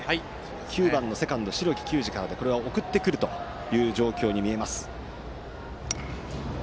９番のセカンド、白木球二は送ってくる状況に見えます。